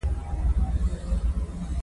چین د مصنوعي هوش په برخه کې مخکښ دی.